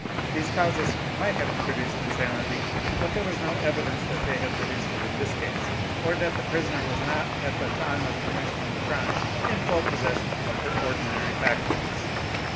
These causes might have produced insanity, but there was no evidence that they have produced it in this case, or that the prisoner was not at the time of the commission of the crime in full possession of her ordinary faculties.